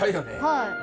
はい。